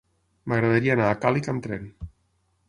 M'agradaria anar a Càlig amb tren.